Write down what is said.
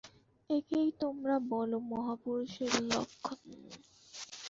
একেই তোমরা বল মহাপুরুষের লক্ষণ!